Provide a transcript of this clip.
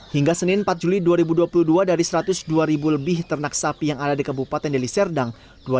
hingga senin empat juli dua ribu dua puluh dua dari satu ratus dua ribu lebih ternak sapi yang ada di kabupaten deli serdang